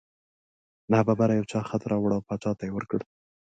نا ببره یو چا خط راوړ او باچا ته یې ورکړ.